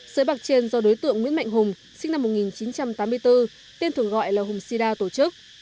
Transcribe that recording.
sới bạc trên do đối tượng nguyễn mạnh hùng sinh năm một nghìn chín trăm tám mươi bốn tên thường gọi là hùng sida tổ chức